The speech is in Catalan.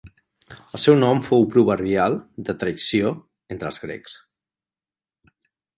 El seu nom fou proverbial de traïció entre els grecs.